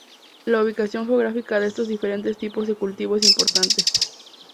La ubicación geográfica de estos diferentes tipos de cultivo es importante.